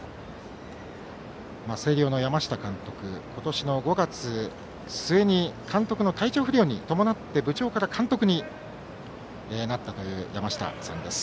星稜の山下監督、今年の５月末に監督の体調不良に伴って部長から監督になった山下さんです。